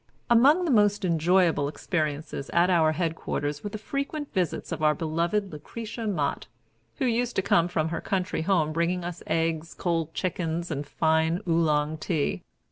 Among the most enjoyable experiences at our headquarters were the frequent visits of our beloved Lucretia Mott, who used to come from her country home bringing us eggs, cold chickens, and fine Oolong tea.